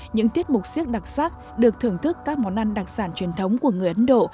những tiết mục siếc đặc sắc được thưởng thức các món ăn đặc sản truyền thống của người ấn độ